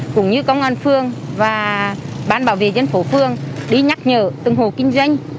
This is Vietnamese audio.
cũng như công an phương và bán bảo vệ dân phố phương đi nhắc nhở từng hộ kinh doanh